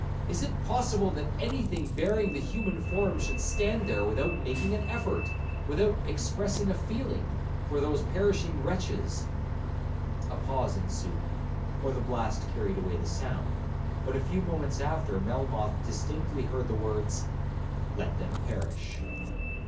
is it possible that any thing bearing the human form should stand there without making an effort, without expressing a feeling, for those perishing wretches!' A pause ensued, or the blast carried away the sound; but a few moments after, Melmoth distinctly heard the words, 'Let them perish.'